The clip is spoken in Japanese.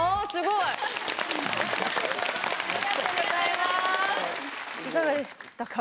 いかがでしたか？